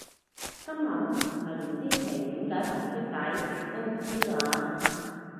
心諗唔係連支旗點解紅色底都唔知咓？